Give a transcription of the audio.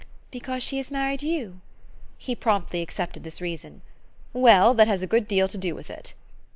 "Because she has married you?" He promptly accepted this reason. "Well, that has a good deal to do with it."